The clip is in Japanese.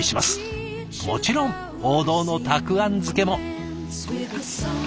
もちろん王道のたくあん漬けも。